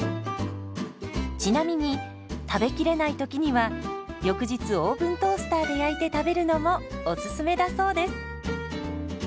ちなみに食べきれないときには翌日オーブントースターで焼いて食べるのもおすすめだそうです。